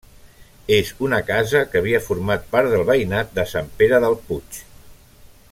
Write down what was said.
És una casa que havia format part del veïnat de Sant Pere del puig.